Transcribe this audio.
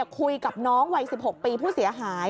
คุยกับน้องวัย๑๖ปีผู้เสียหาย